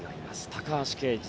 高橋奎二。